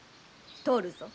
通るぞ。